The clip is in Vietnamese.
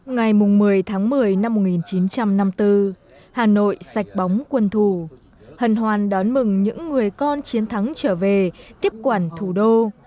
ngày một mươi tháng một mươi năm một nghìn chín trăm năm mươi bốn hà nội sạch bóng quân thủ hần hoàn đón mừng những người con chiến thắng trở về tiếp quản thủ đô